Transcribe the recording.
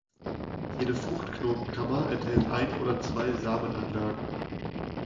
Jede Fruchtknotenkammer enthält ein oder zwei Samenanlagen.